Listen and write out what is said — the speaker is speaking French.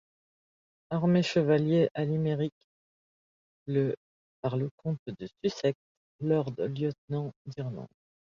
Armé chevalier à Limerick le par le comte de Sussex, lord lieutenant d’Irlande.